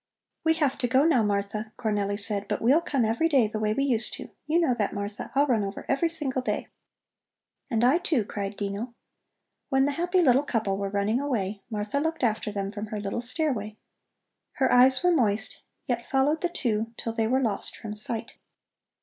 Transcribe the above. "We have to go, now, Martha," Cornelli said, "but we'll come every day the way we used to; you know that, Martha. I'll run over every single day." "And I, too," cried Dino. When the happy little couple were running away, Martha looked after them from her little stairway. Her eyes were moist, yet followed the two till they were lost from sight.